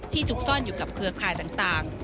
ซุกซ่อนอยู่กับเครือข่ายต่าง